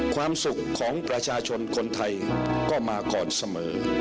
ความสุขของประชาชนคนไทยก็มาก่อนเสมอ